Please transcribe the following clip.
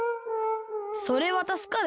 「それはたすかる。